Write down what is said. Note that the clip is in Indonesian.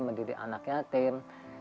mendidik anak yatim